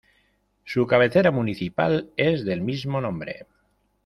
Su cabecera municipal es del mismo nombre.